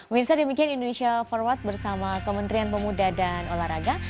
mirsa demikian indonesia forward bersama kementerian pemuda dan olahraga